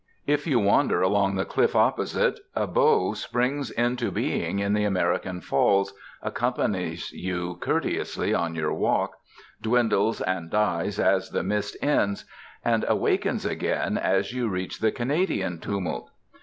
If you wander along the cliff opposite, a bow springs into being in the American Falls, accompanies you courteously on your walk, dwindles and dies as the mist ends, and awakens again as you reach the Canadian tumult.